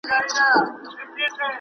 ولاړه شي، هېڅ شاته راونه ګوري